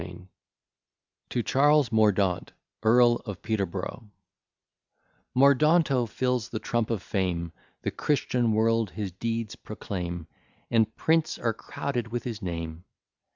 B._] TO CHARLES MORDAUNT, EARL OF PETERBOROUGH Mordanto fills the trump of fame, The Christian world his deeds proclaim, And prints are crowded with his name.